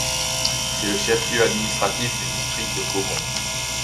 C'est le chef-lieu administratif du district de Kogon.